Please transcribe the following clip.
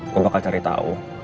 gue bakal cari tahu